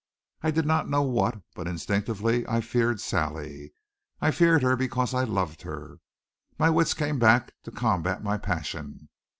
I did not know what, but instinctively I feared Sally. I feared her because I loved her. My wits came back to combat my passion.